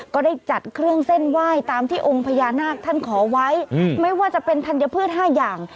ก็ได้จัดเครื่องเส้นไหว้ตามที่องค์พญานาคท่านขอไว้ไม่ว่าจะเป็นธัญพืช๕อย่าง